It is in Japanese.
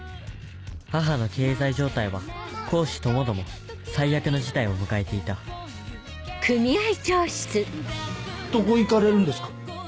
母の経済状態は公私ともども最悪の事態を迎えていたどこ行かれるんですか？